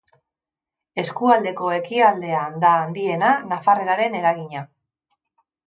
Eskualdeko ekialdean da handiena nafarreraren eragina.